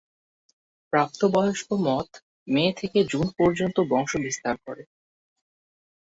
প্রাপ্তবয়স্ক moth May থেকে June পর্যন্ত বংশবিস্তার করে।